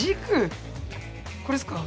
これですか？